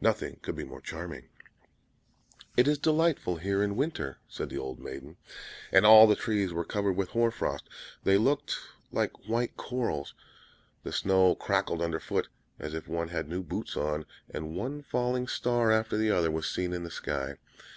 Nothing could be more charming. "It is delightful here in winter!" said the little maiden. And all the trees were covered with hoar frost; they looked like white corals; the snow crackled under foot, as if one had new boots on; and one falling star after the other was seen in the sky.